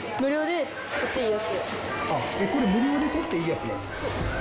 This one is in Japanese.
これ無料で取っていいやつなんですか。